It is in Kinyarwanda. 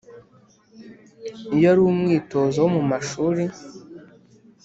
Iyo ari umwitozo wo mu mashuri